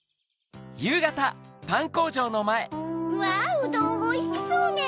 うわっうどんおいしそうネ！